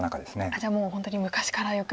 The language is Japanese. じゃあもう本当に昔からよく。